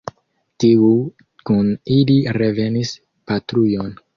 Tiu kun ili revenis patrujon.